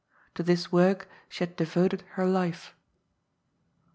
To this work she had devoted her life.